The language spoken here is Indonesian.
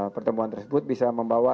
pertemuan tersebut bisa membawa